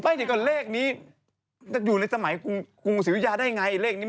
ไม่แต่เลขนี้อยู่ในสมัยกรุงศิวิยาได้ไง